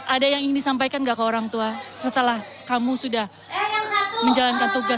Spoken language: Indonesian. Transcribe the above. ada yang ingin disampaikan gak ke orang tua setelah kamu sudah menjalankan tugas